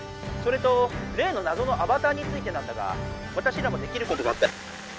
それとれいのなぞのアバターについてなんだが私らもできることがあったら。